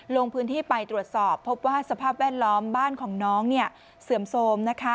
ลงพื้นที่ไปตรวจสอบพบว่าสภาพแวดล้อมบ้านของน้องเสื่อมโทรม